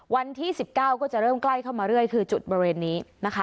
วันที่๑๙ก็จะเริ่มใกล้เข้ามาเรื่อยคือจุดบริเวณนี้นะคะ